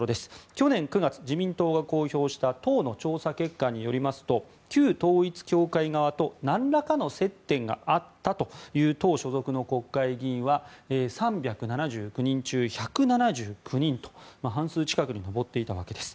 去年９月、自民党が公表した党の調査結果によりますと旧統一教会側と何らかの接点があったという党所属の国会議員は３７９人中１７９人と半数近くに上っていたわけです。